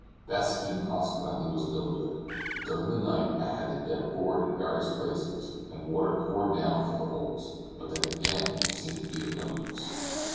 That scheme consequently was no good. During the night, I had the deck bored in various places and water poured down through the holes; but that again seemed of no use.